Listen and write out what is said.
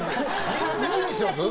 みんな金にします？